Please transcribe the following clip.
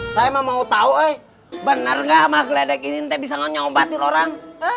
saya mah mau tau bener gak mbak gledek ini bisa nyobatin orang